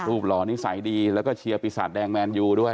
หล่อนิสัยดีแล้วก็เชียร์ปีศาจแดงแมนยูด้วย